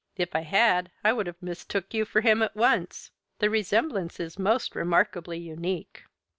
If I had I would have mistook you for him at once. The resemblance is most remarkably unique."